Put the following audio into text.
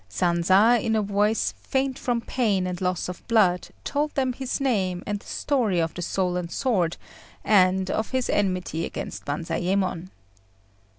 Sanza, in a voice faint from pain and loss of blood, told them his name and the story of the stolen sword, and of his enmity against Banzayémon.